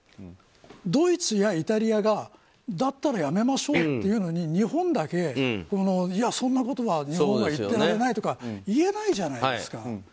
ドイツやイタリアがだったらやめましょうって言うのに日本だけ、そんなことは日本は言ってられないとか言えないじゃないですか。